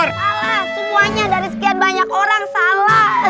semuanya dari sekian banyak orang salah